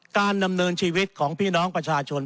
การดำเนินชีวิตของพี่น้องประชาชน